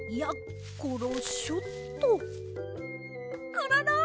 コロロ！